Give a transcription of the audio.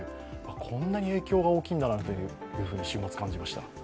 こんなに影響が大きいんだというふうに週末感じました。